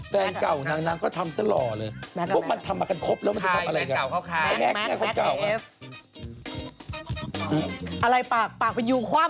แฟนเก่านางหนังก็ทำจะหล่อเลย